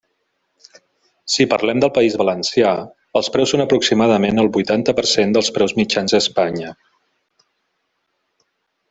Si parlem del País Valencià, els preus són aproximadament el huitanta per cent dels preus mitjans a Espanya.